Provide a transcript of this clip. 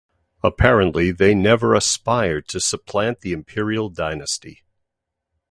Apparently they never aspired to supplant the imperial dynasty.